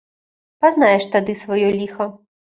Пазнаеш тады сваё ліха.